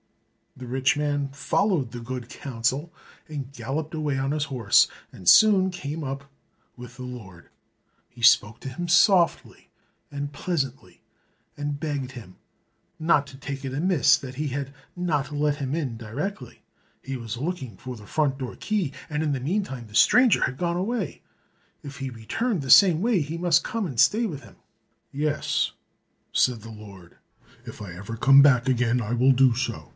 The rich man followed the good counsel and galloped away on his horse, and soon came up with the Lord. He spoke to him softly and pleasantly, and begged him not to take it amiss that he had not let him in directly; he was looking for the front door key, and in the meantime the stranger had gone away, if he returned the same way he must come and stay with him. "Yes," said the Lord; "if I ever come back again, I will do so."